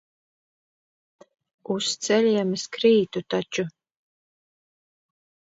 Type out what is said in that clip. Uz ceļiem es krītu taču.